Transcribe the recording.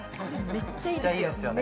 めっちゃいいですよね